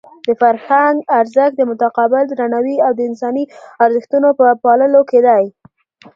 د فرهنګ ارزښت د متقابل درناوي او د انساني ارزښتونو په پاللو کې دی.